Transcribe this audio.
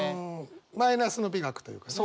マイナスの美学というかね。